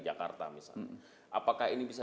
jakarta misalnya apakah ini bisa